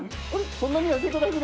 そんなに痩せてなくね？